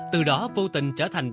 từ đó vô tình trở thành